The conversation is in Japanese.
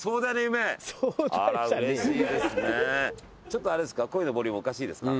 ちょっとあれですか？